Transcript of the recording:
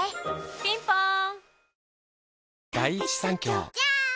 ピンポーン